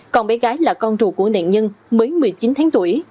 còn bé gái là con rùa của nạn nhân mới một mươi chín tháng tuổi